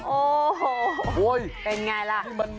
โอ้โหเป็นไงล่ะ